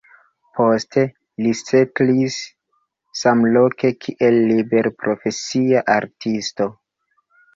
Poste li setlis samloke kiel liberprofesia artisto.